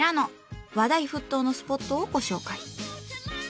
話題沸騰のスポットをご紹介。